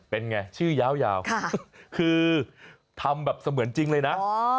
เป็นไงชื่อยาวคือทำแบบเสมือนจริงเลยนะ